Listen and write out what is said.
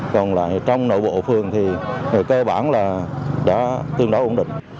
còn lại trong nội bộ phường thì cơ bản là đã tương đối ổn định